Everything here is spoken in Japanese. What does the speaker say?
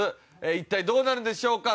一体どうなるんでしょうか？